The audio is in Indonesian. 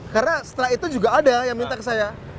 karena setelah itu juga ada yang minta ke saya